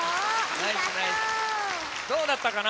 どうだったかな？